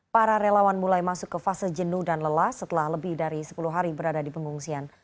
para relawan mulai masuk ke fase jenuh dan lelah setelah lebih dari sepuluh hari berada di pengungsian